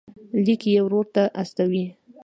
لیک یې ورور ته استوي.